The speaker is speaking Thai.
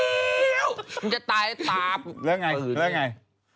มึงจะตายตามแล้วอย่างไร